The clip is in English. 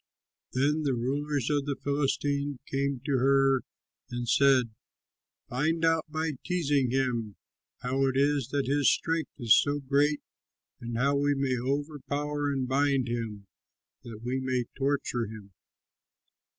Then the rulers of the Philistines came to her and said, "Find out by teasing him how it is that his strength is so great and how we may overpower and bind him that we may torture him.